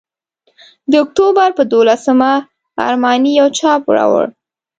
د اکتوبر پر دوولسمه ارماني یو چاپ راوړ.